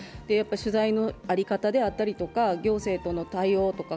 取材の在り方であったりとか行政との対応とか